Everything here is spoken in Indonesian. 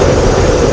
itu udah gila